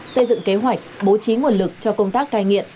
xây dựng kế hoạch bố trí nguồn lực cho công tác cai nghiện